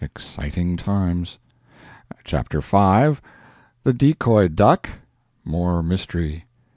"—exciting times. Chapter V.—"The Decoy Duck?—more mystery.